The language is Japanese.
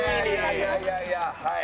いやいやいやいやはい。